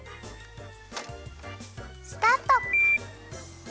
スタート。